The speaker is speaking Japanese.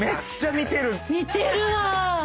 見てるわ。